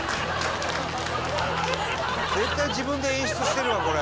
「絶対自分で演出してるわこれ」